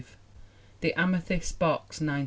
The Amethyst Box, 1905.